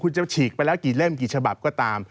คุณจะฉีกไปแล้วกี่เล่มกี่ฉบับก็ตาม